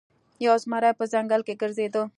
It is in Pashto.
یو زمری په ځنګل کې ګرځیده.